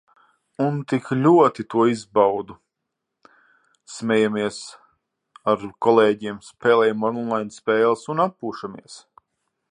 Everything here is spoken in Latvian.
Un tik ļoti to izbaudu. Smejamies ar kolēģiem, spēlējam online spēles un atpūšamies.